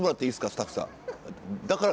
スタッフさん。